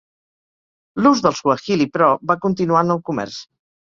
L'ús del suahili però, va continuar en el comerç.